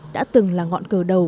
đã từng là ngọn cờ đầu